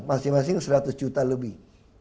masing masing seratus juta lebih